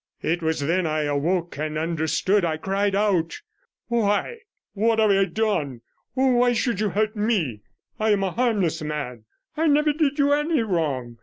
It was then I awoke and understood. I cried out — 31 'Why, what have I done? Why should you hurt me? I am a harmless man; I never did you any wrong.'